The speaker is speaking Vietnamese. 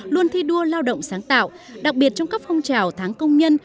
luôn thi đua lao động sáng tạo đặc biệt trong các phong trào tháng công nhân